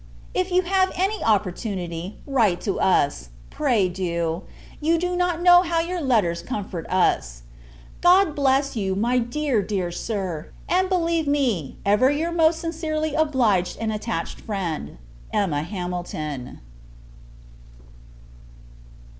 If you have any opportunity, write to us; pray, do: you do not know how your letters comfort us. God bless you, my dear, dear Sir! and believe me, ever, your most sincerely obliged and attached friend, EMMA HAMILTON.